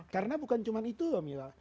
karena bukan cuma itu loh mila